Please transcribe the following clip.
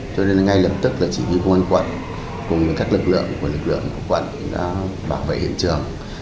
cho nên ngay lập tức chỉ huy quân quận cùng với các lực lượng của lực lượng quận bảo vệ hiện trường